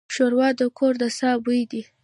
ښوروا د کور د ساه بوی دی.